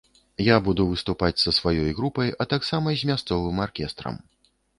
Я буду выступаць са сваёй групай, а таксама з мясцовым аркестрам.